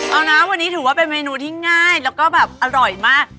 เอานะวันนี้ถือว่าเป็นเมนูที่ง่ายแล้วก็แบบอร่อยมาก